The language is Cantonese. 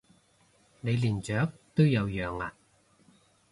你連雀都有養啊？